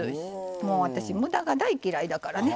もう私無駄が大嫌いだからね。